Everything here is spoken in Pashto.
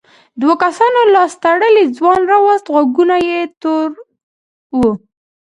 دوو کسانو لاس تړلی ځوان راووست غوږونه یې تور وو.